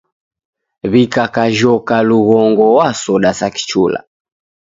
W'ikakajhoka lugongo w'a soda sa kichula.